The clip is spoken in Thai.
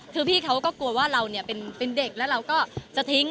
คือพี่เขาก็กลัวว่าเราเป็นเด็กแล้วเราก็จะทิ้ง